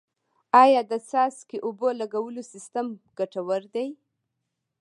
آیا د څاڅکي اوبو لګولو سیستم ګټور دی؟